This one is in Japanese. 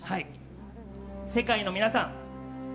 世界の皆さん。